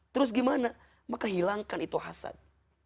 terus gimana maka hilangkan itu hasad